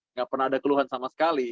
nggak pernah ada keluhan sama sekali